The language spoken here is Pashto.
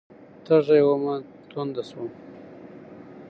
تږې ومه، تنده شوم